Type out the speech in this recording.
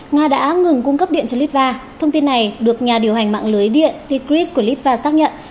nga đã ngừng cung cấp điện cho litva thông tin này được nhà điều hành mạng lưới điện tgris của litva xác nhận